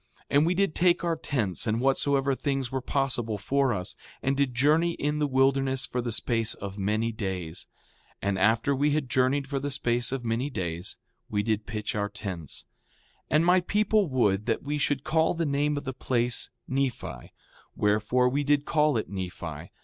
5:7 And we did take our tents and whatsoever things were possible for us, and did journey in the wilderness for the space of many days. And after we had journeyed for the space of many days we did pitch our tents. 5:8 And my people would that we should call the name of the place Nephi; wherefore, we did call it Nephi.